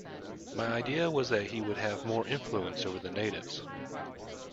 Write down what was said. My idea was that he would have more influence over the natives.